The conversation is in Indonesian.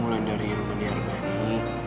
mulai dari rumah di harmony